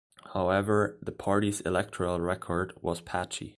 However, the party's electoral record was patchy.